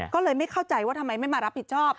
ก็เลยไม่เข้าใจว่าทำไมไม่มารับผิดชอบ